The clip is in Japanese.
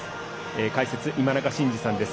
解説、今中慎二さんです。